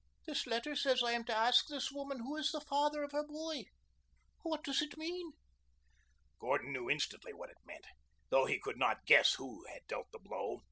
"This letter says I am to ask this woman who is the father of her boy. What does it mean?" Gordon knew instantly what it meant, though he could not guess who had dealt the blow.